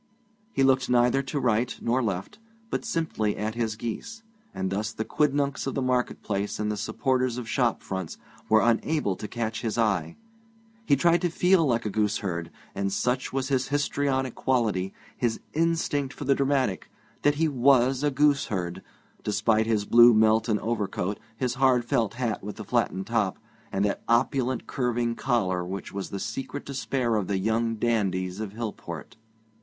He looked neither to right nor left, but simply at his geese, and thus the quidnuncs of the market place and the supporters of shop fronts were unable to catch his eye. He tried to feel like a gooseherd; and such was his histrionic quality, his instinct for the dramatic, he was a gooseherd, despite his blue Melton overcoat, his hard felt hat with the flattened top, and that opulent curving collar which was the secret despair of the young dandies of Hillport.